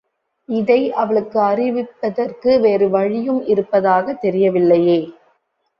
இதை அவளுக்கு அறிவிப்பதற்கு வேறு வழியும் இருப்பதாகத் தெரியவில்லையே?